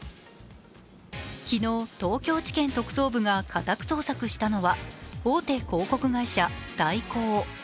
昨日、東京地検特捜部が家宅捜索したのは大手広告会社・大広。